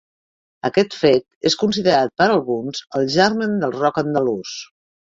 Aquest fet és considerat per alguns el germen del rock andalús.